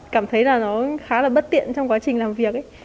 cảm thấy là nó khá là bất tiện trong quá trình làm việc ấy